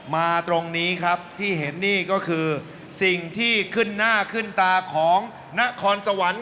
มาตรงนี้ครับที่เห็นนี่ก็คือสิ่งที่ขึ้นหน้าขึ้นตาของนครสวรรค์